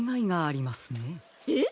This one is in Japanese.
えっ！？